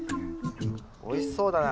おいしそうだな。